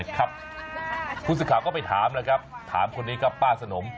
คุณศิษย์ขาวก็ไปถามถามคนนี้ครับป้าสนม